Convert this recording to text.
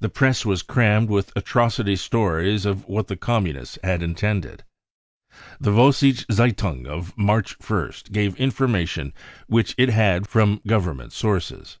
The Press was crammed with atrocity stories of what the Communists had intended. The Vossische fitting of March 1st gave information which it had had from Government sources :€